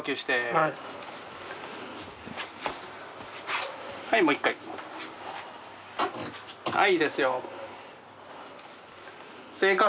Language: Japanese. はいいいですよ。